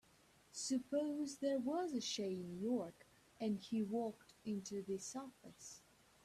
Suppose there was a Shane York and he walked into this office.